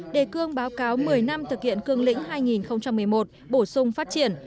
đề cương báo cáo một mươi năm thực hiện cương lĩnh hai nghìn một mươi một bổ sung phát triển